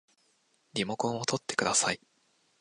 リモコンをとってください